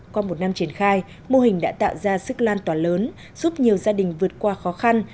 qua một năm triển khai mô hình đã tạo ra sức lan tỏa lớn giúp nhiều gia đình vượt qua khó khăn